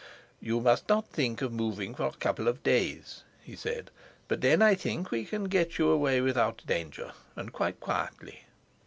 "You must not think of moving for a couple of days," he said; "but then, I think we can get you away without danger and quite quietly."